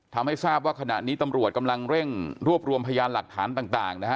ทำให้ทราบว่าขณะนี้ตำรวจกำลังเร่งรวบรวมพยานหลักฐานต่างนะฮะ